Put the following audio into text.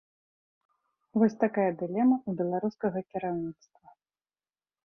Вось такая дылема ў беларускага кіраўніцтва.